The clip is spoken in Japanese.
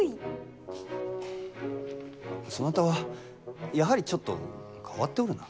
そなたはやはり、ちょっと変わっておるな。